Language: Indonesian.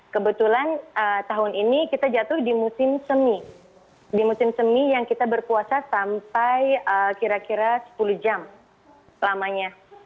kebetulan tahun ini kita jatuh di musim semi di musim semi yang kita berpuasa sampai kira kira sepuluh jam lamanya